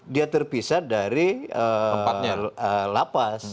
dia terpisah dari la paz